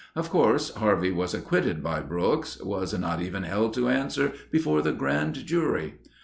Of course Harvey was acquitted by Brooks—was not even held to answer before the Grand Jury.